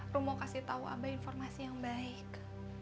rum mau kasih tau abah informasi yang baik